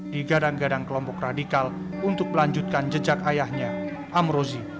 digadang gadang kelompok radikal untuk melanjutkan jejak ayahnya amrozi